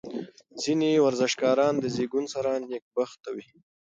ځینې ورزشکاران د زېږون سره نېکبخته وي.